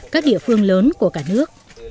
các địa phương lớn của cả nước